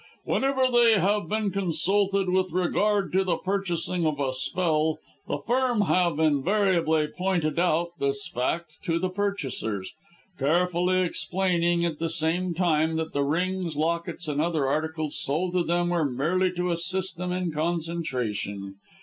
Whenever they have been consulted with regard to the purchasing of a spell, the Firm have invariably pointed out this fact to the purchasers, carefully explaining at the same time that the rings, lockets and other articles sold to them were merely to assist them in concentration.